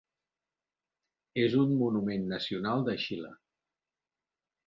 És un Monument Nacional de Xile.